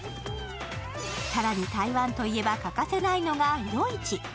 更に台湾と言えば欠かせないのが夜市。